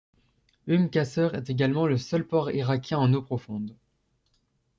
Umm Qasr est également le seul port irakien en eau profonde.